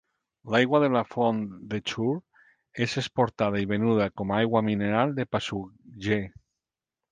L'aigua de la font de Chur és exportada i venuda com a aigua mineral de Passugger.